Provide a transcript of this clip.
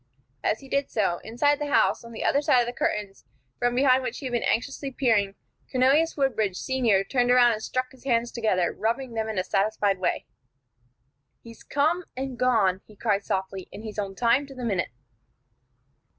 As he did so, inside the house, on the other side of the curtains, from behind which he had been anxiously peering, Cornelius Woodbridge, Senior, turned about and struck his hands together, rubbing them in a satisfied way. "He's come and gone," he cried, softly, "and he's on time to the minute!"